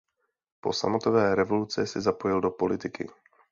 Po sametové revoluci se zapojil do politiky.